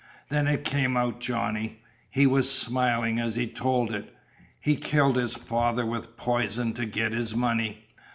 Then it came out, Johnny. He was smilin' as he told it. He killed his father with poison to get his money.